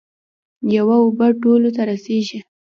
یوه اوبه ټولو ته رسیږي.